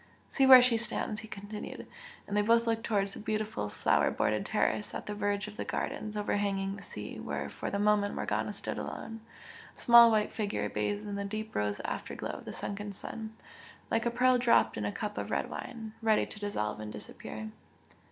"See where she stands!" he continued, and they both looked towards the beautiful flower bordered terrace at the verge of the gardens overhanging the sea where for the moment Morgana stood alone, a small white figure bathed in the deep rose afterglow of the sunken sun "Like a pearl dropped in a cup of red wine! ready to dissolve and disappear!"